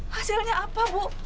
hasilnya apa bu